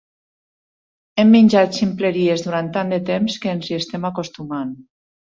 Hem menjat ximpleries durant tant de temps que ens hi estem acostumant.